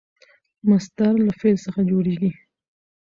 مصدر له فعل څخه جوړیږي.